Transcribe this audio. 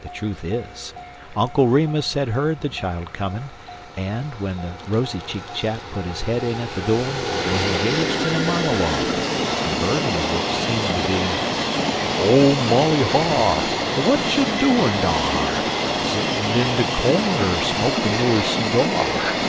The truth is, Uncle Remus had heard the child coming, and, when the rosy cheeked chap put his head in at the door, was engaged in a monologue, the burden of which seemed to be "Ole Molly Har', W'at you doin' dar, Settin' in de cornder Smokin' yo' seegyar?"